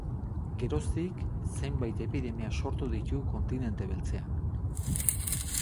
Geroztik, zenbait epidemia sortu ditu kontinente beltzean.